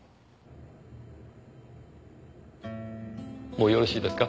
もうよろしいですか？